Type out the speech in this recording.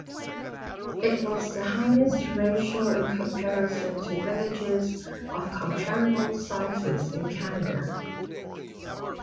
It was the highest ratio in comparison to villages of comparable sizes in Canada.